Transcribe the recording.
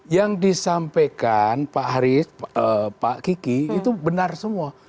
yang disampaikan pak haris pak kiki itu benar semua